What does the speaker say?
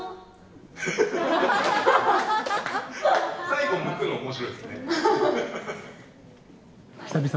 最後向くの面白いですね。